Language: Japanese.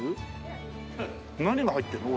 何が入ってるの？